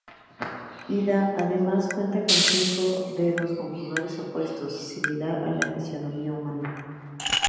Ida además cuenta con cinco dedos con pulgares opuestos, similar a la fisionomía humana.